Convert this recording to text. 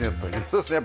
そうですね。